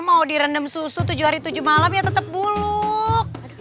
mau direndam susu tujuh hari tujuh malam ya tetap buluk